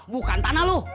bukan tanah lu